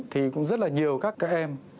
thì cũng rất là nhiều các em